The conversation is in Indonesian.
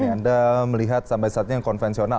anda melihat sampai saatnya konvensional